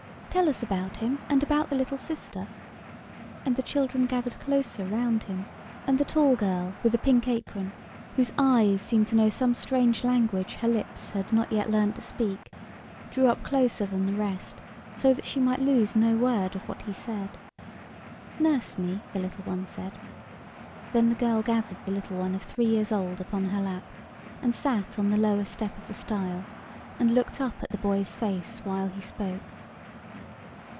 " Tell us about him and about the little sister ;" and the children gathered closer round him, and the tall girl with the pink apron, whose eyes seemed to know some strange language her lips had E 50 ANYHOW STOEIES. [STORY not yet learnt to speak, drew up closer than the rest, so that she might lose no word of what he said. "Nurse me," the little one said. Then the girl gathered the little one of three years old upon her lap, and sat on the lower step of the stile, and looked up at the boy's face while he spoke.